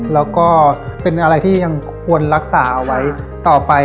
แล้วก็เป็นอะไรที่ยังควรรักษาเอาไว้ต่อไป